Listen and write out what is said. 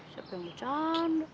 siapa yang bercanda